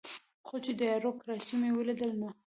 خو چې د یارو کراچۍ مې ولېده نو